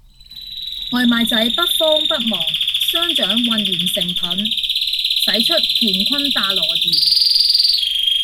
外賣仔不慌不忙，雙掌渾圓成盾，使出乾坤大挪移